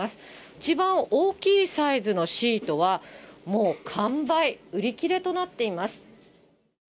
一番大きいサイズのシートは、もう完売、売り切れとなっています。